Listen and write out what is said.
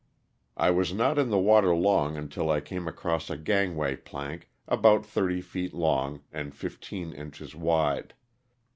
I was not in the water long until I came across a gangway plank about thirty feet long and fifteen inches wide.